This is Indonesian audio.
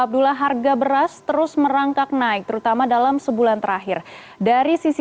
abdullah harga beras terus merangkak naik terutama dalam sebulan terakhir dari sisi